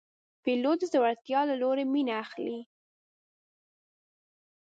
پیلوټ د زړورتیا له لورې مینه اخلي.